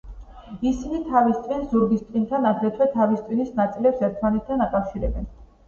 ისინი თავის ტვინს ზურგის ტვინთან, აგრეთვე თავის ტვინის ნაწილებს ერთმანეთთან აკავშირებენ.